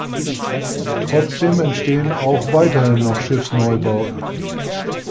Trotzdem entstehen auch weiterhin noch Schiffsneubauten.